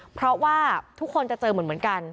เพราะว่าทุกคนจะเจอเหมือนกัน